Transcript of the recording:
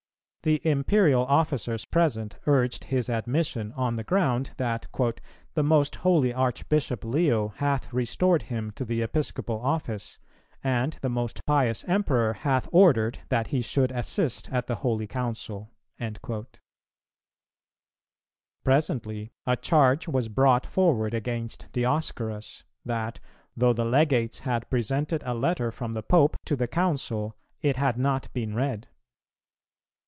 The Imperial officers present urged his admission, on the ground that "the most holy Archbishop Leo hath restored him to the Episcopal office, and the most pious Emperor hath ordered that he should assist at the holy Council."[308:4] Presently, a charge was brought forward against Dioscorus, that, though the Legates had presented a letter from the Pope to the Council, it had not been read.